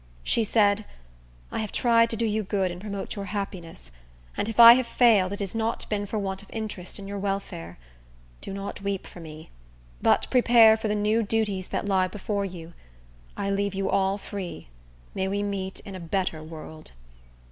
She said, "I have tried to do you good and promote your happiness; and if I have failed, it has not been for want of interest in your welfare. Do not weep for me; but prepare for the new duties that lie before you. I leave you all free. May we meet in a better world."